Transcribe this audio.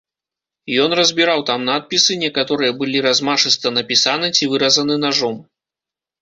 Ён разбіраў там надпісы, некаторыя былі размашыста напісаны ці выразаны нажом.